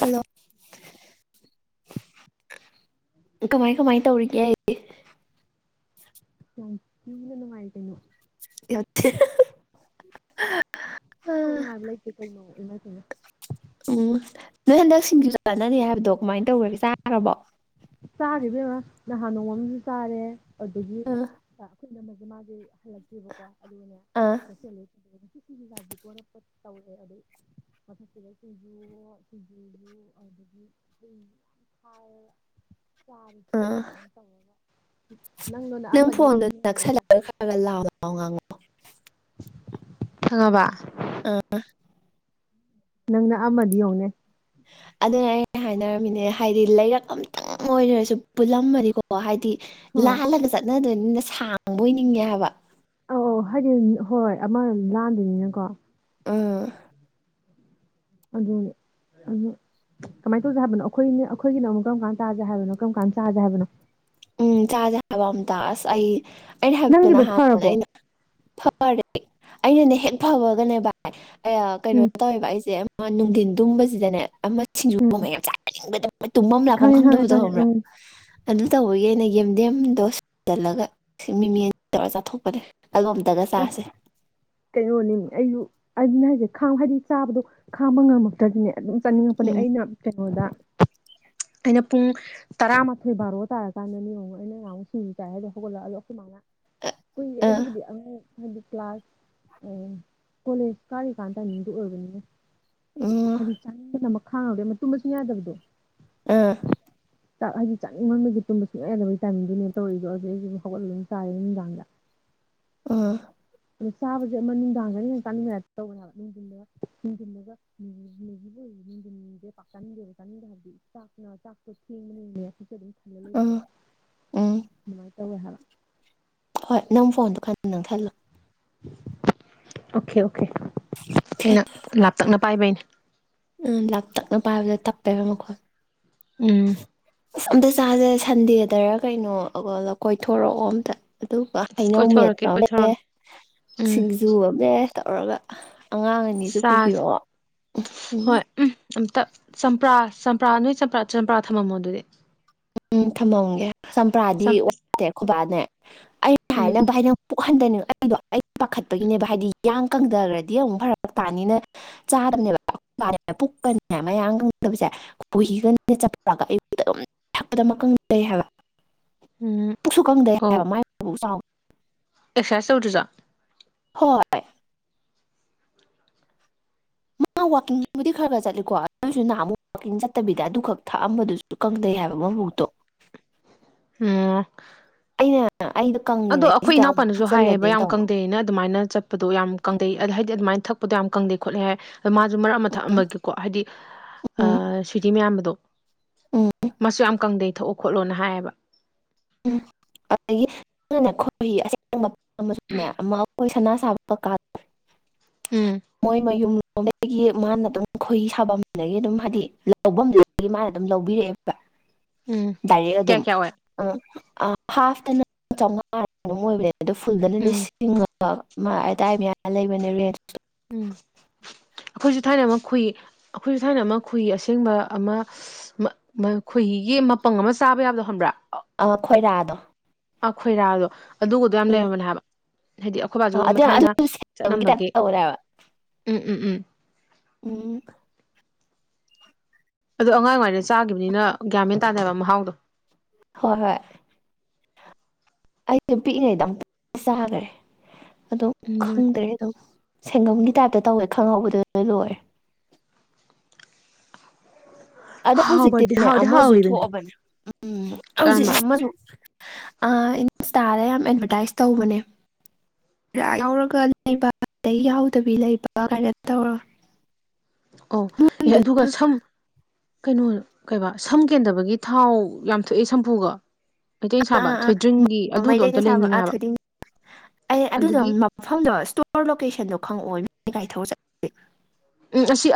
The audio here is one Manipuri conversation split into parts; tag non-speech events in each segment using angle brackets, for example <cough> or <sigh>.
ꯍꯜꯂꯣ ꯀꯃꯥꯏ ꯀꯃꯥꯏ ꯇꯧꯔꯤꯒꯦ ꯌꯝ ꯊꯤꯅ ꯅꯨꯡꯉꯥꯏꯔꯤ ꯀꯩꯅꯣ <unintelligible> ꯑꯩ ꯃꯨꯛ ꯎꯝ ꯅꯨꯡꯉꯥꯏꯕ ꯂꯩꯇꯦ ꯀꯩꯅꯣ ꯏꯃꯥꯏ ꯄꯦꯝꯃ ꯎꯝ ꯅꯣꯏ ꯍꯟꯗꯛ ꯁꯤꯡꯖꯨ ꯆꯅꯥꯅꯤ ꯍꯥꯏꯕꯗꯣ ꯀꯃꯥꯏꯅ ꯇꯧꯔꯒꯦ ꯆꯥꯔꯕꯣ ꯆꯥꯔꯤꯔꯦ ꯅꯍꯥꯟ ꯅꯣꯡꯃ ꯑꯃꯁꯨ ꯆꯥꯔꯦ ꯑꯗꯨꯗꯒꯤ ꯑꯥ ꯑꯩꯈꯣꯏ ꯏꯅꯝꯃꯒꯤ ꯃꯥꯒꯤ ꯍꯟꯂꯛꯇꯦꯕꯀꯣ ꯑꯗꯨꯒꯅꯦ ꯑꯥ ꯀꯩꯊꯦꯜꯗꯒꯤ ꯄꯨꯊꯣꯔꯛꯑꯦ ꯏꯆꯦ ꯁꯤꯡꯖꯨ ꯆꯁꯤꯀꯣꯅ ꯇꯧꯔꯦ ꯑꯗꯩ ꯃꯊꯛꯇꯒꯩ ꯁꯤꯡꯖꯨ ꯑꯣ ꯁꯤꯡꯖꯨꯁꯨ ꯑꯗꯒꯤ ꯍꯩ ꯃꯍꯤ ꯃꯌꯝ ꯍꯥꯏꯔꯒ ꯆꯥꯔꯤ ꯆꯥꯛ ꯀꯩꯀꯥ ꯑꯥ ꯃꯌꯥꯝ ꯇꯧꯔꯒ ꯅꯪꯗꯣ ꯅꯪ ꯅꯛꯑꯝꯃꯗꯤ ꯐꯣꯟꯗꯨ ꯅꯨꯡꯉꯥꯏꯔꯣꯏꯗ꯭ꯔꯥ ꯅꯛꯁꯜꯂꯛꯒ ꯈꯔ ꯂꯥꯎꯅ ꯂꯥꯎꯑꯅ ꯉꯥꯡꯉꯛꯑꯣ ꯈꯪ ꯑꯕ ꯑꯥ ꯅꯪ ꯅꯛꯑꯝꯃꯗꯤ ꯌꯦꯡꯉꯨꯅꯦ ꯑꯗꯨꯅ ꯑꯩꯅ ꯍꯥꯏꯅꯔꯝꯃꯤꯅꯦ ꯍꯥꯏꯗꯤ ꯂꯩꯔꯛ ꯑꯝꯇꯪ ꯑꯣꯏꯔꯁꯨ ꯄꯨꯜꯂꯝꯃꯗꯤꯀꯣ ꯍꯥꯏꯗꯤ ꯍꯣꯏ ꯂꯥꯜꯂꯒ ꯆꯠꯅꯗꯣꯏꯅꯤꯅ ꯁꯥꯡꯕ ꯅꯤꯡꯉꯦ ꯍꯥꯏꯕ ꯑꯧ ꯑꯧ ꯍꯥꯏꯗꯤ ꯍꯣꯏ ꯑꯃ ꯂꯥꯟꯗꯣꯏꯅꯤꯅꯀꯣ ꯎꯝ ꯑꯗꯨꯅꯦ ꯑꯗꯨ ꯀꯃꯥꯏꯅ ꯇꯧꯖꯦ ꯍꯥꯏꯕꯅꯣ ꯑꯩꯈꯣꯏꯅ ꯑꯩꯈꯣꯏꯒꯤꯅꯣ ꯑꯃꯨꯛ ꯀꯔꯝ ꯀꯥꯟꯗ ꯆꯥꯖꯦ ꯍꯥꯏꯕꯅꯣ ꯀꯔꯝ ꯀꯥꯟꯗ ꯆꯥꯁꯦ ꯍꯥꯏꯕꯅꯣ ꯎꯝ ꯆꯥꯖꯦ ꯍꯥꯏꯕ ꯑꯝꯇ ꯑꯁ ꯑꯩ ꯑꯩꯅ ꯍꯥꯏꯕꯗꯨ ꯅꯪꯒꯤꯗꯣ ꯅꯍꯥꯟ ꯐꯔꯕꯣ ꯑꯩꯅ ꯐꯔꯦ ꯑꯩꯅꯅꯦ ꯍꯦꯛ ꯐꯕꯒꯅꯦ ꯚꯥꯏ ꯀꯩꯌꯥ ꯀꯩꯅꯣ ꯎꯝ ꯇꯧꯋꯦꯕ ꯑꯩꯁꯦ ꯑꯃ ꯅꯨꯡꯊꯤꯟ ꯇꯨꯝꯕꯁꯤꯗꯅꯦ ꯑꯃ ꯁꯤꯡꯖꯨ ꯎꯝ ꯄꯨꯝꯕ ꯌꯥꯝ ꯆꯥꯅꯤꯡꯕꯗ ꯇꯨꯝꯐꯝ ꯂꯥꯛꯄꯝ ꯈꯪꯉꯦ ꯈꯪꯉꯦ ꯈꯪꯗꯕꯗꯣ ꯈꯪꯉꯦ ꯈꯪꯕ꯭ꯔꯥ ꯎꯝ ꯑꯗꯨ ꯇꯧꯏ ꯌꯦꯟꯗꯦꯝꯗꯣ ꯁꯨꯖꯤꯜꯂꯒ ꯃꯤꯃꯤ ꯇꯧꯔꯒ ꯆꯥꯊꯣꯛꯄꯅꯦ ꯑꯗꯣ ꯑꯝꯇꯒ ꯑꯁ ꯆꯥꯁꯦ ꯀꯩꯅꯣꯅꯤ ꯑꯩꯁꯨ ꯑꯗꯨꯅꯦ ꯍꯥꯏꯁꯦ ꯈꯥꯡ ꯍꯥꯏꯗꯤ ꯆꯥꯕꯗꯣ ꯈꯥꯡꯕ ꯉꯝꯃꯛꯇ꯭ꯔꯗꯤꯅꯦ ꯑꯗꯨꯝ ꯆꯥꯅꯤꯡꯉꯛꯄꯅꯦ ꯎꯝ ꯑꯩꯅ ꯀꯩꯅꯣꯗ <inaudible> ꯑꯩꯅ ꯄꯨꯡ ꯇꯔꯥꯃꯥꯊꯣꯏ ꯕꯥꯔꯣ ꯇꯥꯔꯀꯥꯟꯗ ꯍꯦꯡꯎ ꯑꯩꯅ ꯉꯍꯥꯟꯃꯨꯛ ꯁꯤꯡꯖꯨ ꯆꯥꯏ ꯍꯥꯏꯗꯣ ꯍꯧꯒꯠꯂꯛ ꯑꯗꯣ ꯑꯈꯣꯃꯥꯅ ꯀꯨꯏꯌꯦ ꯑꯥ ꯑꯗꯨꯕꯨꯗꯤ ꯑꯃ ꯍꯥꯏꯗꯤ ꯀ꯭ꯂꯥꯁ ꯑ ꯀꯣꯂꯦꯖ ꯀꯥꯔꯤꯀꯥꯟꯗ ꯇꯥꯏꯃꯤꯡꯗꯤ ꯑꯣꯏꯕꯅꯤꯅ ꯎꯝ ꯍꯥꯏꯗꯤ ꯆꯥꯅꯤꯡꯕꯅ ꯈꯥꯡ ꯉꯝꯗꯕꯒꯤ ꯃꯇꯨꯝꯕ ꯌꯥꯗꯕꯤꯗꯣ ꯑ ꯆꯥꯛ ꯍꯥꯏꯗꯤ ꯆꯥꯛꯅꯤꯡ ꯃꯟꯕꯒꯤ ꯇꯨꯝꯕ ꯁꯨꯡꯌꯥ ꯌꯥꯗꯕꯒꯤꯥ ꯇꯥꯏꯃꯤꯡꯗꯨꯅꯦ ꯇꯧꯔꯤꯗꯣ ꯑꯗꯨꯗ ꯑꯩꯁꯨ ꯍꯧꯒꯠꯂ ꯑꯗꯨꯝ ꯆꯥꯔꯦ ꯅꯨꯡꯗꯥꯡꯗ ꯑꯥ ꯑꯗꯣ ꯆꯥꯕꯁꯦ ꯑꯃ ꯅꯨꯡꯗꯥꯡꯗꯅ ꯍꯦꯟꯅ ꯆꯥꯅꯤꯡꯕꯒꯤ ꯇꯥꯏꯞꯇ ꯇꯧꯕꯅꯤ ꯍꯥꯏꯕ ꯅꯨꯡꯊꯤꯜꯗꯒ ꯅꯨꯡꯊꯤꯜꯗꯒ <unintelligible> <unintelligible> ꯆꯥꯅꯤꯡꯗꯦ ꯍꯥꯢꯕꯗꯤ ꯆꯥꯛꯅ ꯆꯥꯛꯇꯣ ꯊꯦꯡꯕꯅꯤꯅ <unintelligible> ꯊꯜꯂ ꯂꯩꯕꯗꯣ ꯑꯥ ꯎꯝ ꯑꯗꯨꯃꯥꯏꯅ ꯇꯧꯋꯦ ꯍꯥꯏꯕ ꯍꯣꯏ ꯅꯪ ꯐꯣꯟꯗꯣ ꯈꯔ ꯅꯛ ꯁꯜꯂꯣ ꯑꯣꯀꯦ ꯑꯣꯀꯦ ꯑꯩꯅ ꯂꯥꯞꯇꯛꯅ ꯄꯥꯏꯕꯩꯅꯦ ꯎꯝ ꯂꯞꯇꯛꯅ ꯄꯥꯏꯕꯗꯣ ꯇꯞꯄꯦꯕ ꯃꯈꯣꯜ ꯎꯝ ꯑꯁ ꯑꯝꯇ ꯆꯥꯁꯦ ꯁꯟꯗꯦꯗꯔ ꯀꯩꯅꯣ ꯀꯣꯏꯊꯣꯔꯛꯑꯣ ꯑꯝꯇ ꯑꯗꯨꯒ ꯑꯁ ꯍꯩꯅꯧ ꯀꯣꯏꯊꯣꯔꯛꯀꯦ ꯃꯦꯠꯄ ꯑꯃꯅꯦ ꯀꯣꯏꯊꯣꯔꯛꯀꯦ ꯎꯝ ꯁꯤꯡꯖꯨ ꯑꯃꯅꯦ ꯇꯧꯔꯒ ꯑꯉꯥꯡ ꯑꯅꯤꯁꯨ ꯆꯥꯁꯦ ꯄꯨꯕꯤꯔꯛꯑꯣ ꯎꯝ ꯑꯝꯇ ꯆꯝꯄ꯭ꯔꯥ ꯆꯝꯄ꯭ꯔꯥ ꯅꯣꯏ ꯆꯝꯄ꯭ꯔꯥ ꯆꯝꯄ꯭ꯔꯥ ꯊꯝꯃꯝꯃꯣ ꯑꯗꯨꯗꯤ ꯎꯝ ꯊꯝꯃꯝꯒꯦ ꯆꯝꯄ꯭ꯔꯥꯗꯤ ꯋꯥꯠꯇꯦ ꯑꯈꯣꯕꯥꯅꯦ ꯑꯩꯅ ꯎꯝ ꯍꯥꯏꯅ ꯚꯥꯏ ꯄꯨꯛꯍꯟꯗꯅꯦꯕ ꯆꯠꯂꯤꯗꯣ ꯑꯩ ꯄꯥꯈꯠꯄꯒꯤꯅꯦꯕ ꯍꯥꯏꯗꯤ ꯌꯥꯡ ꯀꯪꯊꯈ꯭ꯔꯗꯤ ꯑꯃꯨꯛ ꯐꯔꯛ ꯇꯥꯅꯤꯅ ꯆꯥꯗꯕꯅꯦꯕ ꯄꯥꯔꯦꯕꯗ ꯄꯨꯡ ꯑꯅꯤꯅꯦ ꯃꯌꯥꯡ ꯀꯪꯗꯕꯁꯦ ꯈꯣꯍꯤꯒꯅꯦ ꯆꯝꯄ꯭ꯔꯥꯒ ꯑꯌꯨꯛꯇ ꯑꯗꯨꯝ ꯊꯛꯄꯗ ꯑꯃ ꯀꯪꯗꯩ ꯍꯥꯏꯕ ꯎꯝ ꯄꯨꯛꯁꯨ ꯀꯪꯗꯩ ꯍꯥꯏꯕ ꯃꯥꯏ ꯄꯨꯛ ꯆꯥꯎ ꯑꯦꯛꯁꯥꯏꯁ ꯇꯧꯗ꯭ꯔꯁꯨ ꯍꯣꯏ <inaudible> ꯋꯥꯀꯤꯡꯕꯨꯗꯤ ꯈꯔ ꯈꯔ ꯆꯠꯂꯤꯀꯣ ꯑꯗꯨꯑꯣꯏꯁꯨ ꯅꯍꯟꯃꯨꯛ ꯋꯥꯀꯤꯡ ꯆꯠꯇꯕꯤꯗ ꯑꯗꯨ ꯈꯛ ꯊꯥꯛꯑꯝꯕꯗꯨꯁꯨ ꯀꯪꯗꯩ ꯍꯥꯏꯕ ꯑꯃ ꯄꯨꯛ ꯇꯣ ꯑꯝ ꯑꯩꯗꯣ ꯑꯗꯣ ꯑꯩꯈꯣꯏ ꯀꯪꯉꯤꯉꯩꯁꯤꯗ ꯑꯃꯨꯛ ꯏꯅꯥꯎꯄꯥꯅꯁꯨ ꯍꯥꯏꯌꯦꯕ ꯊꯛꯆꯜꯂꯗꯤꯅ ꯌꯥꯝ ꯇꯧꯕ ꯀꯪꯗꯩ ꯌꯦꯅ ꯑꯗꯨꯃꯥꯏꯅ ꯆꯠꯄ ꯄꯗꯣ ꯌꯥꯝ ꯀꯪꯗꯩ ꯍꯥꯏꯗꯤ ꯑꯗꯨꯃꯥꯏꯅ ꯊꯛꯄꯗꯣ ꯌꯥꯝ ꯀꯪꯗꯩ ꯈꯣꯠꯂꯦ ꯍꯥꯏ ꯑꯗꯣ ꯃꯥꯁꯨ ꯃꯔꯛ ꯑꯃ ꯎꯝ ꯊꯛꯑꯝꯕꯒꯤꯀꯣ ꯍꯥꯏꯗꯤ ꯎꯝ ꯁ꯭ꯋꯇꯤ ꯃꯌꯥꯝꯕꯗꯣ ꯎꯝ ꯃꯁꯨ ꯌꯥꯝ ꯀꯪꯗꯩ ꯊꯛꯎ ꯈꯣꯠꯂꯣꯅ ꯍꯥꯏꯌꯦꯕ ꯑꯗꯒꯤꯅꯦ ꯈꯣꯏꯍꯤ ꯑꯁꯦꯡ ꯑꯃꯁꯨꯅꯦ ꯑꯃ ꯑꯩꯈꯣꯏ ꯁꯅꯥ ꯁꯥꯕ ꯀꯀꯥ ꯎꯝ <unintelligible> ꯃꯣꯏ ꯃꯌꯨꯝ ꯗꯒꯤ ꯃꯥꯅ ꯑꯗꯨꯝ ꯈꯣꯏꯍꯤ ꯁꯥꯐꯝꯗꯒꯤ ꯑꯗꯨꯝ ꯍꯥꯏꯗꯤ ꯂꯧꯐꯝꯗꯨꯗꯒꯤ ꯃꯥꯅ ꯑꯗꯨꯝ ꯂꯧꯕꯤꯔꯛꯑꯦꯕ ꯎꯝ ꯗꯥꯏꯔꯦꯛ ꯀꯌꯥ ꯑꯗꯨꯝ ꯀꯌꯥ ꯑꯣꯏ ꯑꯥ ꯍꯞꯇꯅ ꯆꯧꯉꯥꯔ ꯀꯩꯅꯣꯝ ꯑꯣꯏꯕꯅꯦ ꯑꯗꯨꯣ ꯐꯨꯜꯗꯅ ꯎꯝ ꯂꯤꯁꯤꯡ ꯑꯃ ꯑꯥꯗꯏ ꯃꯌꯥ ꯂꯩꯕꯅꯦ ꯔꯦꯟ ꯎꯝ ꯑꯩꯈꯣꯏꯁꯨ ꯊꯥꯏꯅ ꯑꯃ ꯈꯣꯍꯤ ꯑꯩꯈꯣꯏꯁꯨ ꯊꯥꯏꯅ ꯑꯃ ꯈꯣꯏꯍꯤ ꯑꯁꯦꯡꯕ ꯑꯃ ꯈꯣꯏꯍꯤ ꯌꯦꯟ ꯃꯄꯪ ꯑꯃ ꯆꯥꯕ ꯌꯥꯕꯗꯣ ꯈꯪꯕ꯭ꯔꯥ ꯑꯧ ꯈꯣꯏꯔꯥꯗꯣ ꯑꯩ ꯈꯣꯏꯔꯥꯗꯣ ꯑꯗꯨꯒꯗꯣ ꯌꯥꯝ ꯎꯝ ꯂꯩꯔꯝꯕꯅꯦ ꯍꯥꯏꯕ ꯍꯥꯏꯗꯤ ꯑꯩꯈꯣꯏ ꯕꯥꯁꯨ ꯑꯗꯨ ꯑꯃ ꯑꯗꯨ ꯊꯥꯏꯅ ꯁꯦꯝꯒꯤ ꯇꯥꯏꯞ ꯆꯠꯂꯝꯝꯕꯒꯤ ꯇꯧꯔꯦꯕ ꯎꯝ ꯎꯝ ꯎꯝ ꯎꯝ ꯑꯗꯨ ꯑꯉꯥꯡ ꯑꯣꯏꯔꯤꯀꯥꯟꯗ ꯆꯥꯒꯤꯕꯅꯤꯅ ꯒ꯭ꯌꯥꯃꯦꯟ ꯇꯥꯗꯦꯕ ꯃꯍꯥꯎꯗꯣ ꯍꯣꯏ ꯍꯣꯏ ꯑꯩꯁꯨ ꯄꯤꯛꯏꯉꯩꯗ ꯑꯝꯇꯪ ꯆꯥꯈ꯭ꯔꯦ ꯑꯗꯨꯝ ꯎꯝ ꯑꯗꯨꯅꯦ ꯈꯪꯗ꯭ꯔꯦ ꯑꯗꯨꯝ ꯁꯦꯟꯒꯝꯒꯤ ꯇꯥꯏꯞꯇ ꯇꯧꯋꯦ ꯈꯪꯍꯧꯕꯗꯣ ꯂꯣꯏꯔꯦ ꯑꯗ ꯍꯥꯎꯕꯗꯤ ꯍꯧꯖꯤꯛꯇꯤꯅꯦ ꯍꯥꯎꯗꯤ ꯑꯃꯁꯨ ꯍꯥꯎꯋꯤꯗꯨꯅꯤ ꯊꯣꯛꯑꯕꯅꯦ ꯎꯝ ꯍꯧꯖꯤꯛ ꯀꯔꯝꯕ ꯑꯃꯁꯨ ꯏꯟꯁꯇꯥꯗ ꯌꯥꯝ ꯑꯦꯗꯚꯔꯇꯥꯏꯁ ꯇꯧꯕꯅꯦ ꯌꯥꯎꯔꯒ ꯂꯩꯕ ꯑꯗꯩ ꯌꯥꯎꯗꯕꯤ ꯂꯩꯕ ꯀꯥꯏꯅ ꯇꯧꯔ ꯑꯣ ꯑꯦ ꯃꯣꯏꯒꯤꯗꯨꯅ ꯑꯗꯨꯒ ꯁꯝ ꯀꯩꯅꯣ ꯀꯩꯕꯥ ꯁꯝ ꯀꯦꯟꯗꯕꯒꯤ ꯊꯥꯎ ꯌꯥꯝ ꯊꯣꯛꯑꯦ ꯁꯝꯄꯨꯒ ꯃꯩꯇꯩ ꯁꯥꯕ ꯑꯥ ꯊꯣꯏꯗ꯭ꯔꯤꯡꯒꯤ ꯑꯥ ꯑꯗꯨꯗꯣ ꯑꯝꯇ ꯃꯩꯇꯩꯅ ꯁꯥꯕ ꯂꯩꯅꯤꯡꯉꯦ ꯑꯥ ꯍꯥꯏꯕ ꯊꯣꯏꯗꯤꯡ ꯑꯩ ꯑꯗꯨꯗꯣ ꯑꯗꯒꯤ ꯃꯐꯝꯗꯣ ꯏꯁꯇꯣꯔ ꯂꯣꯀꯦꯁꯟꯗꯣ ꯈꯪꯉꯛꯑꯣ ꯅꯕꯟꯅꯤ ꯒꯔꯤ ꯊꯧꯔꯥ ꯆꯠꯂꯨꯁꯦ ꯎꯝ ꯑꯁꯤ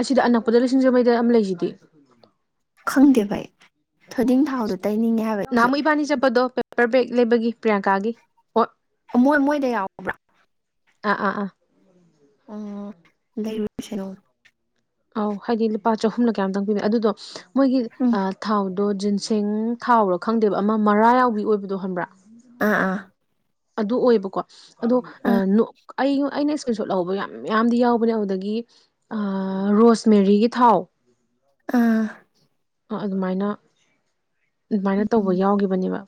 ꯑꯁꯤꯗ ꯑꯅꯛꯄꯗ ꯁꯤꯡꯖꯃꯩꯗ ꯑꯃ ꯂꯩꯁꯤꯗꯤ ꯈꯪꯗꯦꯕꯥ ꯑꯩ ꯊꯣꯏꯗꯤꯡ ꯊꯥꯎꯗꯣ ꯇꯩꯅꯤꯡꯉꯦ ꯍꯥꯏꯕ ꯑꯩꯁꯨ ꯅꯍꯥꯟꯃꯨꯛ ꯏꯕꯥꯟꯅꯤ ꯆꯠꯄꯗꯣ ꯄꯦꯄꯔ ꯕ꯭ꯔꯦꯛ ꯂꯩꯕꯒꯤ ꯄ꯭ꯔꯤꯌꯥꯡꯀꯥꯒꯤ ꯑꯣ ꯃꯣꯏ ꯃꯣꯏꯗ ꯌꯥꯎꯕ꯭ꯔꯥ ꯑꯥ ꯑꯥ ꯑꯥ ꯑꯥ ꯑꯧ ꯍꯥꯏꯗꯤ ꯂꯨꯄꯥ ꯆꯍꯨꯝꯅ ꯀꯌꯥ ꯅꯣꯝꯇꯪ ꯄꯤꯕꯅꯦ ꯑꯗꯨꯗꯣ ꯃꯣꯏꯒꯤ ꯎꯝ ꯊꯥꯎ ꯑꯗꯣ ꯖꯤꯟꯁꯤꯡ ꯊꯥꯎꯔꯥ ꯈꯪꯗꯦꯕ ꯑꯃ ꯃꯔꯥ ꯌꯥꯎꯕꯤ ꯑꯣꯏꯕꯗꯣ ꯍꯟꯕ꯭ꯔꯥ ꯑꯥ ꯑꯥ ꯑꯗꯨ ꯑꯣꯏꯕꯀꯣ ꯑꯗꯣ ꯑꯥ ꯑꯩ ꯑꯩꯅ ꯏꯁꯀ꯭ꯔꯤꯟ ꯁꯣꯠ ꯂꯧꯍꯧꯕ ꯌꯥꯝ ꯃꯌꯥꯝꯗꯤ ꯌꯥꯎꯕꯅꯦ ꯑꯗꯨꯗꯒꯤ ꯔꯣꯁ ꯃꯦꯔꯤꯒꯤ ꯊꯥꯎ ꯑꯥ ꯑꯗꯨꯃꯥꯏꯅ ꯑꯗꯨꯃꯥꯏꯅ ꯇꯧꯕ ꯌꯥꯎꯈꯤꯕꯅꯦꯕ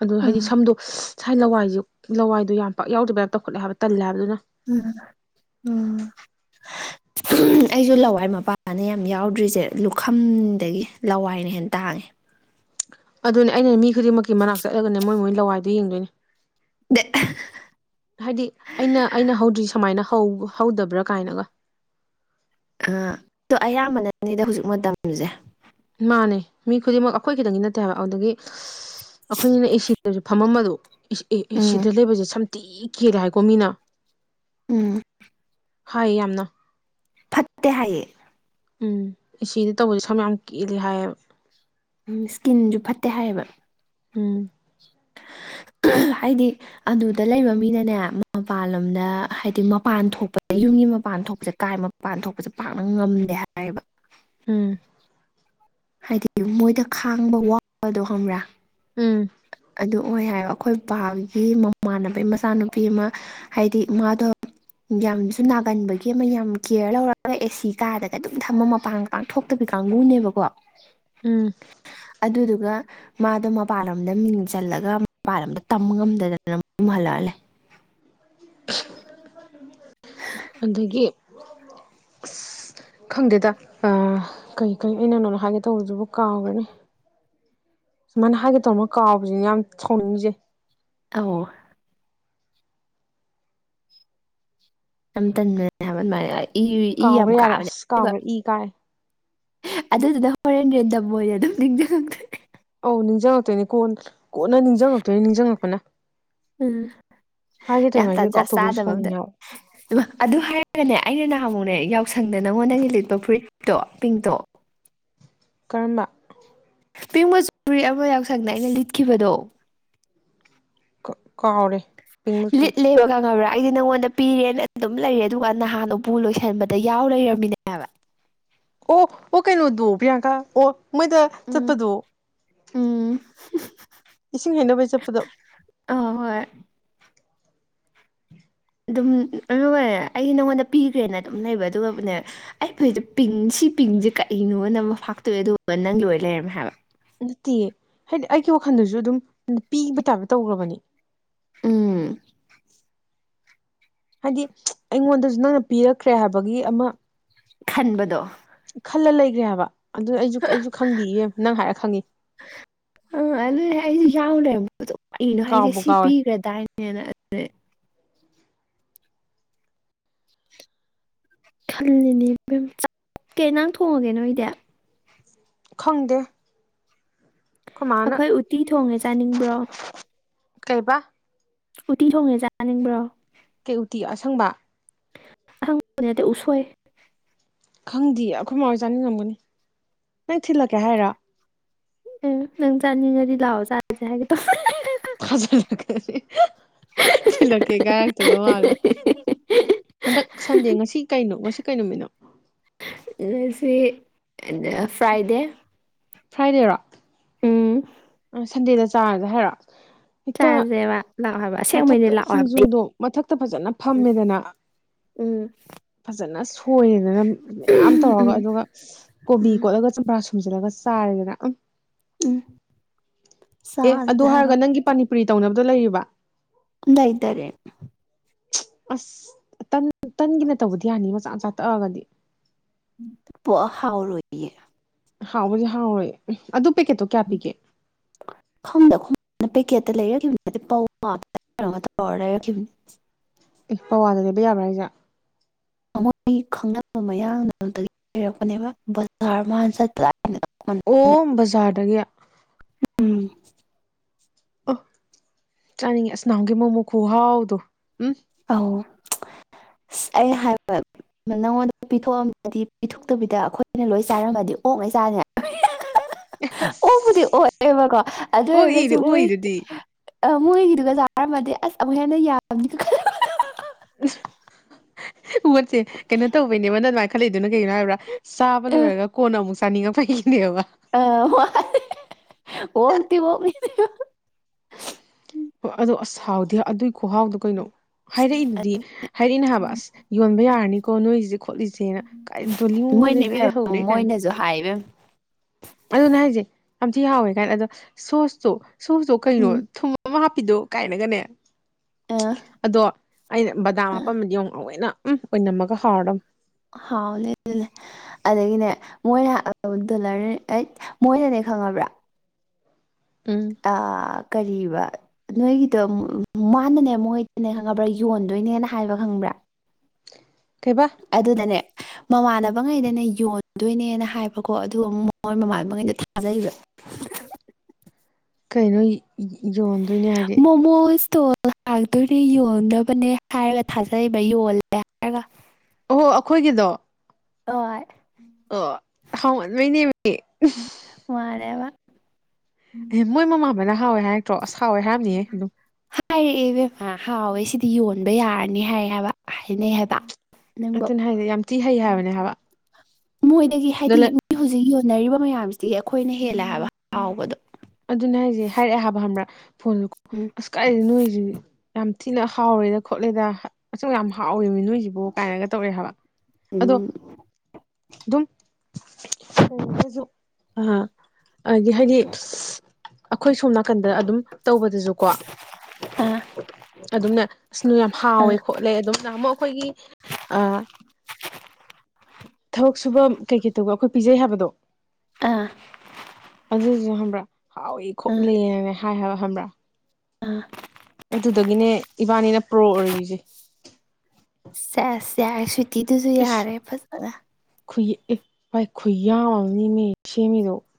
ꯑꯗꯨ ꯎꯝ ꯍꯥꯏꯗꯤ ꯁꯝꯗꯣ ꯁꯥꯏ ꯂꯋꯥꯏꯁꯦ ꯂꯋꯥꯏꯗꯣ ꯌꯥꯝ ꯄꯥꯛ ꯌꯥꯎꯗꯕ ꯇꯧꯈꯠꯂꯦ ꯍꯥꯏꯕ ꯇꯜꯂꯦ ꯍꯥꯏꯕ ꯑꯗꯨꯅ ꯑꯥ ꯑꯥ ꯑꯩꯁꯨ ꯂꯋꯥꯏ ꯃꯄꯥꯅ ꯌꯥꯝ ꯌꯥꯎꯗ꯭ꯔꯤꯁꯦ ꯂꯨꯈꯝꯗꯒꯤ ꯂꯋꯥꯏꯅ ꯍꯦꯟꯅ ꯇꯥꯡꯉꯦ ꯑꯗꯨꯅꯦ ꯑꯩꯅ ꯃꯤ ꯈꯨꯗꯤꯡꯃꯛꯀꯤ ꯃꯅꯥꯛ ꯆꯠꯂꯒꯅꯦ ꯃꯣꯏ ꯃꯣꯏ ꯂꯋꯥꯏꯗ ꯌꯦꯡꯗꯣꯏꯅꯦ ꯕꯦꯛꯪ ꯑꯍꯥ ꯍꯥ ꯍꯥꯏꯗꯤ ꯑꯩꯅ ꯑꯩꯅ ꯍꯧꯗ꯭ꯔꯤ ꯁꯨꯃꯥꯏꯅ ꯍꯧꯗꯕ꯭ꯔꯥ ꯀꯥꯏꯅꯒ ꯑꯥ ꯑꯥ ꯑꯌꯥꯝꯕꯅꯅꯤꯗ ꯍꯧꯖꯤꯛ ꯃꯇꯝꯁꯦ ꯃꯥꯅꯦ ꯃꯤ ꯈꯨꯗꯤꯡꯃꯛ ꯑꯩꯈꯣꯏ ꯇꯪꯒꯤ ꯅꯠꯇꯦ ꯍꯥꯏꯕ ꯑꯗꯨꯗꯒꯤ ꯑꯩꯈꯣꯏꯅꯤꯅꯦ ꯑꯦ ꯁꯤ ꯗꯁꯨ ꯐꯝꯃꯝꯕꯗꯨ ꯑꯦ ꯎꯝ ꯁꯤꯗ ꯂꯩꯕꯁꯦ ꯁꯝꯊꯤ ꯀꯦꯜꯂꯦ ꯍꯥꯏꯀꯣ ꯃꯤꯅ ꯎꯝ ꯍꯥꯏ ꯌꯥꯝꯅ ꯐꯠꯇꯦ ꯍꯥꯏꯌꯦ ꯎꯝ ꯑꯦ ꯁꯤꯗꯥ ꯇꯧꯕꯁꯦ ꯁꯝ ꯌꯥꯝ ꯀꯤꯜꯂꯤ ꯍꯥꯏꯌꯦꯕ ꯏꯁꯀꯤꯟꯁꯨ ꯐꯠꯇꯦ ꯍꯥꯏꯌꯦꯕ ꯎꯝ <inaudible> ꯍꯥꯏꯗꯤ ꯑꯗꯨꯗ ꯂꯩꯕ ꯃꯤꯅꯅꯦ ꯃꯄꯥꯟꯂꯣꯝꯗ ꯍꯥꯏꯗꯤ ꯃꯄꯥꯟ ꯊꯣꯛꯄꯗ ꯌꯨꯝꯒꯤ ꯃꯄꯥꯟ ꯊꯣꯛꯄ ꯁꯦ ꯀꯥꯏ ꯃꯄꯥꯟ ꯊꯣꯛꯄꯁꯦ ꯄꯥꯛꯅ ꯉꯝꯗꯦ ꯍꯥꯏꯌꯦꯕ ꯎꯝ ꯍꯥꯏꯗꯤ ꯃꯣꯏꯗ ꯈꯥꯡꯕ ꯋꯥꯕꯗꯣ ꯈꯪꯕ꯭ꯔꯥ ꯎꯝ ꯑꯗꯨ ꯑꯣꯏ ꯍꯥꯏ ꯑꯩꯈꯣꯏ ꯕꯥꯒꯤ ꯃꯃꯥꯟꯅꯕꯒꯤ ꯃꯆꯥꯅꯨꯄꯤ ꯑꯃ ꯍꯥꯏꯗꯤꯃꯥꯗꯣ ꯌꯥꯝꯁꯨ ꯅꯥꯒꯟꯕꯒꯤ ꯑꯃ ꯌꯥꯝ ꯀꯤꯌꯔ ꯂꯧꯔꯒ ꯑꯦꯁꯤ ꯀꯥꯗꯒ ꯑꯗꯨꯝ ꯊꯝꯃ ꯃꯄꯥꯟ ꯄꯥꯡ ꯊꯣꯛꯇꯕꯤ ꯀꯥꯡꯕꯨꯅꯦꯕꯀꯣ ꯎꯝ ꯑꯗꯨꯗꯨꯒ ꯃꯥꯗꯣ ꯃꯄꯥꯟꯂꯣꯝꯗ ꯃꯤꯡ ꯆꯜꯂꯒ ꯃꯄꯥꯟꯂꯣꯝꯗ ꯇꯝꯕ ꯉꯝꯗꯗꯅ ꯌꯨꯝ ꯍꯜꯂꯛꯑ ꯂꯩ ꯑꯗꯒꯤ <inaudible> ꯈꯪꯗꯦꯗ ꯑꯥ ꯀꯩ ꯀꯩ ꯑꯩꯅ ꯅꯉꯣꯟꯗ ꯍꯥꯏꯒꯦ ꯇꯧꯕꯝꯕꯗꯨ ꯀꯥꯎꯒ꯭ꯔꯦꯅꯦ ꯁꯨꯃꯥꯏꯅ ꯍꯥꯏꯒꯦ ꯇꯧꯕ ꯀꯥꯎꯕꯁꯤꯅꯦ ꯌꯥꯝ ꯁꯥꯎꯅꯤꯡꯏꯁꯦ ꯑꯧ ꯌꯥꯝ ꯇꯟꯕꯅꯦ ꯍꯥꯢꯕ ꯑꯗꯨꯃꯥꯏ ꯏ ꯏ ꯌꯥꯝ ꯀꯥꯎꯈ꯭ꯔꯦ ꯌꯥꯔꯦ ꯑꯁ ꯀꯥꯕꯅꯦꯕ ꯍꯥꯏꯕ ꯀꯥꯎꯈ꯭ꯔꯦ ꯏ ꯀꯥꯔꯦ ꯑꯗꯨꯗꯨꯗ ꯍꯣꯔꯦꯟ ꯔꯦꯟ ꯗꯝ ꯑꯣꯏꯅ ꯑꯗꯨꯝ ꯅꯤꯡꯖꯤꯡꯉꯛꯇꯣꯢ ꯑꯧ ꯅꯤꯡꯁꯤꯡꯉꯛꯇꯣꯏꯅꯦ ꯀꯣꯟ ꯀꯣꯟꯅ ꯅꯤꯡꯁꯤꯡꯉꯛꯇꯣꯏꯅꯤ ꯅꯤꯡꯁꯤꯡꯉꯛꯄꯅ ꯎꯝ ꯍꯥꯏꯒꯦ ꯌꯥꯝ ꯇꯧꯔꯤꯉꯩꯁꯤꯗ ꯇꯟꯖꯥ ꯀꯥꯎꯊꯣꯛꯈꯤꯕꯁꯨ ꯆꯥꯗꯕ ꯑꯝꯗ ꯁꯥꯎꯅꯤꯡꯉꯦ ꯍꯥꯏꯕ ꯑꯗꯨ ꯍꯥꯏꯔꯒꯅꯦ ꯑꯩꯅ ꯅꯍꯥꯟꯃꯨꯛꯅꯦ ꯌꯥꯎꯁꯪꯗ ꯅꯪꯉꯣꯟꯗꯒꯤ ꯂꯤꯠꯄ ꯐꯨꯔꯤꯠꯇꯣ ꯄꯤꯡꯇꯣ ꯀꯔꯝꯕ ꯄꯤꯡ ꯃꯆꯨꯒꯤ ꯐꯨꯔꯤꯠ ꯑꯃ ꯌꯥꯎꯁꯪꯗ ꯑꯩꯅ ꯂꯤꯠꯈꯤꯕꯗꯣ ꯀꯥꯎꯔꯦ ꯄꯤꯡ ꯂꯤꯠ ꯃꯆꯨ ꯂꯦꯕ ꯈꯪꯉꯕ꯭ꯔꯥ ꯑꯩꯗꯤ ꯅꯪꯉꯣꯟꯗ ꯄꯤꯔꯦꯅ ꯑꯗꯨꯝ ꯂꯩꯔꯦ ꯑꯗꯨꯒ ꯅꯍꯥꯟ ꯎꯄꯨ ꯂꯣꯏꯁꯟꯕꯗ ꯌꯥꯎ ꯂꯩꯔꯝꯃꯤꯅꯦꯕ ꯑꯣ ꯑꯣ ꯀꯩꯅꯣꯗꯣ ꯄꯤꯌꯥꯡꯀꯥ ꯑꯣ ꯃꯣꯏꯗ ꯎꯝ ꯆꯠꯄꯗꯣ ꯎꯝ ꯏꯁꯤꯡ ꯍꯩꯅꯕꯩ ꯆꯠꯄꯗꯣ ꯑꯧ ꯍꯣꯏ <inaudible> ꯑꯗꯨꯝ ꯑꯗꯨꯒꯅꯦ ꯑꯩ ꯅꯉꯣꯟꯗ ꯄꯤꯈ꯭ꯔꯦꯅ ꯑꯗꯨꯝ ꯂꯩꯕ ꯑꯗꯨꯒꯕꯨꯅꯦ ꯑꯩ ꯐꯨꯔꯤꯠꯇꯣ ꯄꯤꯡ ꯁꯤ ꯄꯤꯡ ꯀꯛꯏꯅꯣ ꯅ ꯐꯥꯛꯇꯣꯛꯑꯦ ꯑꯗꯨꯒ ꯅꯪꯒꯤ ꯑꯣꯢ ꯂꯩꯔꯝꯃꯦ ꯍꯥꯏꯕ ꯅꯠꯇꯦꯌꯦ ꯍꯥꯏꯗꯤ ꯑꯩꯒꯤ ꯋꯥꯈꯜꯗꯁꯨ ꯑꯗꯨꯝ ꯄꯤꯕ ꯇꯥꯥꯕ ꯇꯧꯈ꯭ꯔꯕꯅꯤ ꯎꯝ ꯍꯥꯏꯗꯤ ꯑꯩꯉꯣꯟꯗꯁꯨ ꯅꯪꯅ ꯄꯤꯔꯛꯈ꯭ꯔꯦ ꯍꯥꯏꯕꯒꯤ ꯑꯃ ꯈꯟꯕꯗꯣ ꯈꯜꯂ ꯂꯩꯈ꯭ꯔꯦ ꯍꯥꯏꯕ ꯑꯗꯨ ꯑꯩꯁꯨ ꯑꯩꯁꯨ ꯈꯪꯗꯦꯌꯦ ꯅꯪ ꯍꯥꯏꯔ ꯈꯪꯉꯤ ꯑꯗꯨ ꯀꯩꯅꯣ ꯍꯥꯏꯁꯦ ꯀꯥꯎꯕꯨ ꯁꯤ ꯀꯥꯎꯔꯦ ꯄꯤꯈ꯭ꯔꯗꯥꯏꯅꯦꯅ ꯑꯗꯨꯅꯦ ꯈꯜꯂꯤꯅꯦ ꯏꯕꯦꯝꯃ ꯀꯩ ꯏꯟꯁꯥꯡ ꯊꯣꯡꯉꯒꯦ ꯅꯣꯏꯗꯤ ꯈꯪꯗꯦ ꯑꯩꯈꯣꯏ ꯎꯠꯇꯤ ꯊꯣꯡꯉꯦ ꯆꯥꯅꯤꯡꯕ꯭ꯔꯣ ꯀꯩꯕꯥ ꯎꯇꯤ ꯊꯣꯡꯉꯦ ꯆꯥꯅꯤꯡꯕ꯭ꯔꯣ ꯀꯩ ꯎꯇꯤ ꯑꯁꯪꯕ ꯑꯁꯪꯕ ꯅꯠꯇꯦ ꯎꯁꯣꯏ ꯈꯪꯗꯦ ꯑꯩꯈꯣꯏ ꯃꯈꯣꯏ ꯆꯥꯅꯤꯡꯉꯝꯒꯅꯤ ꯅꯪ ꯊꯤꯜꯂꯛꯀꯦ ꯍꯥꯏꯔꯣ ꯎꯝ ꯅꯪ ꯆꯥꯅꯤꯡꯉꯗꯤ ꯂꯥꯛꯑꯣ ꯆꯥꯁꯦ ꯍꯥꯏꯒꯦ ꯇꯧ <unintelligible> ꯇꯥꯖꯜꯂꯛ ꯀꯅꯤ ꯊꯤꯜꯂꯛ ꯀꯦꯒꯥ ꯍꯥꯏꯗꯧ ꯃꯥꯜꯂꯦ ꯍꯟꯗꯛ ꯁꯟꯗꯦ ꯉꯁꯤ ꯀꯩꯅꯣ ꯉꯁꯤ ꯀꯩ ꯅꯨꯃꯤꯠꯅꯣ ꯑꯁꯤ ꯐ꯭ꯔꯥꯏꯗꯦ ꯐ꯭ꯔꯥꯏꯗꯦꯔꯣ ꯎꯝ ꯁꯟꯗꯦꯗ ꯆꯥꯔꯁꯦ ꯍꯥꯏꯔꯣ <inaudible> ꯍꯦꯛꯇ ꯆꯥꯁꯦꯕ ꯂꯥꯛꯑꯣ ꯍꯥꯏꯕꯁꯦꯡꯕꯅꯦ ꯃꯊꯛꯇ ꯂꯥꯛꯑꯣ ꯍꯥꯏꯕ ꯁꯤꯡꯖꯨꯗꯣ ꯃꯊꯛꯇ ꯐꯖꯅ ꯐꯝꯃꯦꯗꯅ ꯎꯝ ꯐꯖꯅ ꯁꯣꯏꯔꯦꯗꯅ ꯃꯌꯥꯝ ꯎꯝ ꯇꯧꯔꯒ ꯑꯗꯨꯒ ꯀꯣꯕꯤ ꯎꯝ ꯀꯣꯠꯂꯒ ꯆꯝꯄ꯭ꯔꯥ ꯁꯨꯝꯖꯤꯜꯂꯒ ꯁꯥꯔꯁꯤꯔ ꯎꯝ ꯑꯦ ꯑꯗꯨ ꯆꯥꯁꯦ ꯍꯥꯏꯕ ꯍꯥꯏꯔꯒ ꯅꯪꯒꯤ ꯄꯥꯅꯤꯄꯨꯔꯤ ꯇꯧꯅꯕꯗꯣ ꯂꯩꯔꯤꯕ ꯂꯩꯇꯔꯦ ꯑꯁ ꯇꯟ ꯇꯟꯒꯤꯅ ꯇꯧꯕꯗꯤ ꯌꯥꯅꯤ ꯃꯆꯥ ꯃꯆꯥ ꯇꯛꯑꯒꯗꯤ ꯍꯥꯎꯔꯣꯏꯌꯦ ꯍꯥꯎꯕꯨꯗꯤ ꯍꯥꯎ ꯔꯣꯏ ꯑꯗꯨ ꯄꯦꯛꯀꯦꯠꯇꯣ ꯀꯌꯥ ꯄꯤꯒꯦ ꯈꯪꯗꯦ ꯑꯩꯈꯣꯏꯅ ꯄꯦꯀꯦꯠꯇ ꯂꯩꯔꯛꯈꯤꯔ ꯅꯠꯇꯦ ꯄꯋꯥ ꯗꯔ ꯀꯩꯄꯣ ꯂꯩꯔꯛꯈꯤꯕꯅꯦ ꯑꯦ ꯄꯋꯥꯗ ꯂꯩꯕ ꯌꯥꯕ꯭ꯔꯥ ꯍꯥꯏꯁꯦ ꯃꯣꯏꯒꯤ ꯈꯪꯅꯕ ꯃꯌꯥꯝ ꯑꯗꯨꯗꯒꯤ ꯂꯩꯔꯛꯄꯅꯦꯕ ꯕꯖꯥꯔ ꯆꯠꯄ ꯑꯣ ꯕꯖꯥꯔꯗꯒꯤ <inaudible> ꯑꯣ ꯆꯥꯅꯤꯡꯉꯦ ꯑꯁ ꯅꯅꯥꯟꯃꯨꯛꯒꯤ ꯃꯣꯃꯣ ꯈꯨꯨꯍꯥꯎꯗꯣ ꯎꯝ ꯑꯧ ꯑꯁ ꯑꯩ ꯍꯥꯏꯕ ꯅꯪꯉꯣꯟꯗ ꯄꯤꯊꯣꯛꯑꯝꯗꯗꯤ ꯄꯤꯊꯣꯛꯇꯕꯤꯗ ꯑꯩꯈꯣꯏꯅ ꯂꯣꯏ ꯆꯥꯏꯔꯝꯃꯗꯤ ꯑꯣꯛꯉꯩ ꯆꯥꯅꯤ ꯍꯥꯏꯕ <unintelligible> ꯑꯁ ꯑꯣꯕꯨꯗꯤ ꯑꯣꯏꯑꯦꯕꯀꯣ ꯑꯗꯨ ꯑꯣꯏꯔꯒꯁꯨ ꯑꯣꯛꯏꯗꯤ ꯃꯣꯏꯒꯤ ꯑꯣꯛꯏꯗꯨꯗꯤ ꯃꯣꯏꯒꯤꯗꯨꯒ ꯍꯥꯏꯔꯝꯃꯗꯤ ꯑꯁ ꯑꯃꯨꯛ ꯍꯦꯟꯅ ꯌꯥꯝꯕꯅꯤ <unintelligible> ꯎꯠꯁꯦ ꯀꯩꯅꯣ ꯇꯧꯕꯩꯅꯦꯕꯅ ꯑꯗꯨꯃꯥꯏꯅ ꯈꯠꯂꯛꯏꯗꯨꯅ ꯀꯩꯅꯣ ꯍꯥꯏꯕ ꯆꯥꯕ ꯂꯣꯏꯔꯒ ꯀꯣꯟꯅ ꯑꯃꯨꯛ ꯆꯥꯅꯤꯡꯉꯛ ꯄꯒꯤꯅꯦꯕ ꯑ ꯍꯣꯏ <unintelligible> ꯍꯣꯏ ꯑꯗꯣ ꯑꯁ ꯍꯥꯎꯗꯤ ꯑꯗꯨꯏ ꯈꯨꯍꯥꯎꯗꯣ ꯀꯩꯅꯣ ꯍꯥꯏꯔꯛꯏꯗꯨꯗꯤ ꯍꯥꯏꯔꯛꯏꯅꯦ ꯍꯥꯏꯕ ꯑꯁ ꯌꯣꯟꯕ ꯌꯥꯔꯅꯤꯀꯣ ꯅꯣꯏꯁꯦ ꯈꯣꯠꯂꯤꯁꯦꯅ ꯀꯥꯏ ꯗꯣꯜꯂꯤ ꯃꯣꯏꯅ ꯃꯣꯏꯅꯁꯨ ꯍꯥꯏꯕꯦꯝ ꯑꯗꯨꯅꯦ ꯍꯥꯏꯁꯦ ꯌꯥꯝꯇꯤ ꯌꯥꯎꯋꯦ ꯀꯥꯏꯅ ꯑꯗꯣ ꯁꯣꯁꯇꯣ ꯁꯣꯁꯇꯣ ꯀꯩꯅꯣ ꯎꯝ ꯊꯨꯝ ꯑꯃ ꯍꯥꯞꯄꯤꯗꯣ ꯀꯥꯏꯅꯒꯅꯦ ꯑꯥ ꯑꯗꯣ ꯑꯩꯅ ꯕꯗꯥꯝ ꯑꯥ ꯍꯥꯄꯝꯃꯗꯤ ꯑꯃ ꯊꯧꯑꯣꯢꯅ ꯎꯝ ꯑꯣꯏꯅꯝꯃꯒ ꯍꯥꯎꯔꯗꯝꯅꯦ ꯍꯥꯎ ꯂꯦꯂꯦꯂꯦ ꯑꯗꯒꯤꯅꯦ ꯃꯣꯏꯅ ꯇꯦꯂꯔ ꯑꯩꯠ ꯃꯣꯏꯅꯅꯦ ꯈꯪꯉꯕ꯭ꯔꯥ ꯎꯝ ꯑꯥ ꯀꯔꯤꯕ ꯅꯣꯏꯒꯤꯗꯣ ꯃꯥꯅꯅꯦ ꯃꯣꯏꯗꯅꯦ ꯈꯪꯉꯕ꯭ꯔꯥ ꯌꯣꯟꯗꯣꯏꯅꯦꯅ ꯍꯥꯏꯕ ꯈꯪꯕ꯭ꯔꯥ ꯀꯩꯕꯥ ꯑꯗꯨꯅꯅꯦ ꯃꯃꯥꯟꯅꯕꯉꯩꯗꯅꯦ ꯌꯣꯟꯗꯣꯏꯅꯦꯅ ꯍꯥꯏꯕꯀꯣ ꯑꯗꯨ ꯑꯃꯨꯛ ꯃꯣꯏ ꯃꯃꯥꯟꯅꯕꯉꯩꯗꯣ ꯊꯥꯖꯔꯤꯕ <unintelligible> ꯀꯩꯅꯣ ꯌꯣꯟꯗꯣꯏꯅꯦ ꯍꯥꯏꯗꯤ ꯇꯣꯜ ꯍꯥꯡꯗꯣꯔꯤ ꯌꯣꯟꯅꯕꯅꯦ ꯍꯥꯏꯔꯒ ꯊꯥꯖꯩꯕ ꯌꯣꯜꯂꯦ ꯍꯥꯏꯔꯒ ꯑꯣꯍꯣ ꯑꯩꯈꯣꯏꯒꯤꯗꯣ ꯍꯣꯢ ꯑꯣ ꯍꯥꯎ ꯅꯣꯏꯅꯤꯕꯨꯗꯤ ꯃꯥꯅꯦꯕ ꯑꯦ ꯃꯣꯏ ꯃꯃꯥꯟꯕꯅꯅ ꯍꯥꯎꯋꯦ ꯍꯥꯏꯔꯛꯇ꯭ꯔꯣ ꯑꯁ ꯍꯥꯎꯋꯦ ꯍꯥꯏꯔꯝꯅꯤꯌꯦ ꯑꯗꯨꯝ ꯍꯥꯏꯔꯛꯑꯦ ꯏꯕꯦꯝꯃ ꯍꯥꯎꯋꯦ ꯁꯤꯗꯤ ꯌꯣꯟꯕ ꯌꯥꯔꯅꯤ ꯍꯥꯏ ꯍꯥꯏꯕ ꯍꯥꯏꯅꯩ ꯍꯥꯏꯕ ꯅꯪꯕꯨ ꯑꯗꯨꯅ ꯍꯥꯏꯖꯦ ꯌꯥꯝ ꯊꯤ ꯍꯩ ꯍꯥꯏꯕꯅꯦ ꯍꯥꯏꯕ ꯃꯣꯏꯗꯒꯤ ꯗꯣ ꯍꯥꯏꯗꯤ ꯂꯩ ꯃꯣꯏ ꯍꯧꯖꯤꯛ ꯌꯣꯟꯅꯔꯤꯕ ꯃꯌꯥꯝꯁꯤꯗꯤ ꯑꯩꯈꯣꯏꯅ ꯍꯦꯜꯂꯦ ꯍꯥꯏꯕ ꯍꯥꯎꯕꯗꯣ ꯑꯗꯨꯅ ꯍꯥꯏꯁꯦ ꯍꯥꯏꯔꯛꯑꯦ ꯍꯥꯏꯕ ꯈꯪꯕ꯭ꯔ ꯐꯣꯟꯗꯨꯀꯣ ꯎꯝ ꯑꯁ ꯀꯥꯏꯗꯩ ꯅꯣꯏꯁꯤꯗꯤ ꯌꯥꯝ ꯊꯤꯅ ꯍꯥꯎꯔꯦꯗ ꯈꯣꯠꯂꯦꯗ ꯑꯁꯦꯡ ꯌꯥꯝ ꯍꯥꯎꯋꯦꯃꯤ ꯅꯣꯏꯁꯤꯕꯣ ꯀꯥꯏꯅꯒ ꯇꯧꯔꯛꯑꯦ ꯍꯥꯏꯕ ꯑꯗꯣ ꯎꯝ ꯑꯗꯨꯝ ꯊꯣꯡꯉꯒꯖꯨ ꯑꯥ ꯑꯗꯤ ꯍꯥꯏꯗꯤ ꯑꯈꯣꯏ ꯁꯣꯝ ꯅꯥꯀꯟꯗ ꯑꯗꯨꯝ ꯇꯧꯕꯗꯨꯁꯨꯀꯣ ꯑꯥ ꯑꯗꯨꯝꯅꯦ ꯑꯁ ꯅꯣꯢ ꯌꯥꯝ ꯍꯥꯎꯋꯦ ꯑꯥ ꯈꯣꯠꯂꯦ ꯑꯗꯨꯝ ꯅꯍꯥꯟꯃꯨꯛ ꯇꯧ ꯑꯩꯈꯣꯏꯒꯤ ꯑꯥ ꯊꯕꯛ ꯁꯨꯕ ꯀꯩꯀꯩ ꯇꯧꯕ ꯑꯩꯈꯣꯏ ꯄꯤꯖꯩ ꯍꯥꯏꯕꯗꯣ ꯑꯥ ꯑꯗꯨꯁꯨ ꯈꯪꯕ꯭ꯔꯥ ꯍꯥꯎꯏ ꯑꯥ ꯈꯣꯠꯂꯦꯅ ꯍꯥꯏ ꯍꯥꯏꯕ ꯈꯪꯕ꯭ꯔꯥ ꯑꯥ ꯑꯗꯨꯗꯒꯤꯅꯦ ꯏꯕꯥꯅꯤꯅ ꯄ꯭ꯔꯣ ꯑꯣꯏꯒ꯭ꯔꯤꯁꯦ ꯁꯦꯁ ꯌꯥꯔꯦ ꯁ꯭ꯌꯤꯇꯤꯗꯨꯁꯨ ꯌꯥꯔꯦ ꯐꯖꯅ ꯈꯨꯏ ꯑꯦ ꯕꯥꯏ ꯈꯨꯌꯥꯝ ꯑꯃꯅꯦꯃꯤ ꯁꯦꯝꯃꯤꯗꯣ